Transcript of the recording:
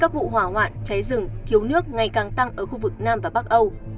các vụ hỏa hoạn cháy rừng thiếu nước ngày càng tăng ở khu vực nam và bắc âu